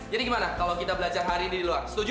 jadi gimana kalau kita belajar hari ini di luar setuju